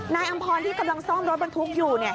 นายอำพอลที่กำลังซ่อมรถบรรทุกอยู่เนี่ย